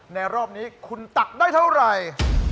รอบนี้คุณตักได้เท่าไหร่